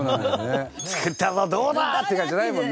「造ったぞどうだ！」って感じじゃないもんね。